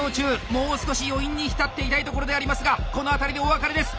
もう少し余韻に浸っていたいところでありますがこの辺りでお別れです！